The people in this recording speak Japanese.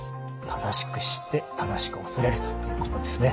正しく知って正しくおそれるということですね。